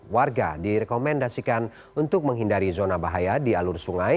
warga direkomendasikan untuk menghindari zona bahaya di alur sungai